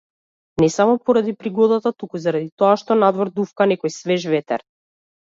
Не само поради пригодата, туку заради тоа што надвор дувка некој свеж ветер.